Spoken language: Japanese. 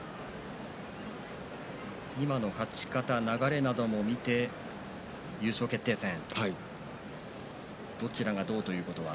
今の勝ち方、流れなども見て優勝決定戦どちらがどうということは。